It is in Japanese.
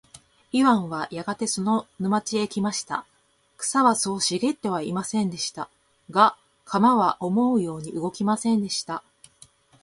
イワンはやがてその沼地へ来ました。草はそう茂ってはいませんでした。が、鎌は思うように動きませんでした。